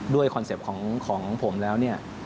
ด้วยคอนเซ็ปต์ของผมแล้ว